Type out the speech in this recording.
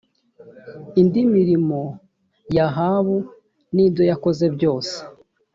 indi mirimo ya ahabu n ibyo yakoze byose